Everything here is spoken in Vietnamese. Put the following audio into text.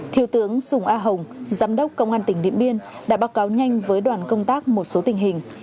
thiếu tướng sùng a hồng giám đốc công an tỉnh điện biên đã báo cáo nhanh với đoàn công tác một số tình hình